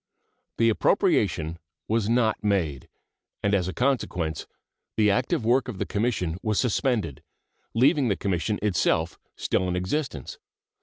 The appropriation was not made, and as a consequence the active work of the Commission was suspended, leaving the Commission itself still in existence.